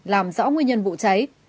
làm rõ nguyên nhân vụ cháy